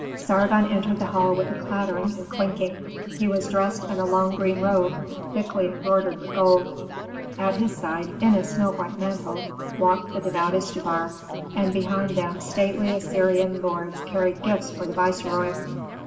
Sargon entered the hall with a clattering and clinking. He was dressed in a long green robe, thickly embroidered with gold. At his side, in a snow white mantle, walked the devout Istubar, and behind them stately Assyrian lords carried gifts for the viceroy.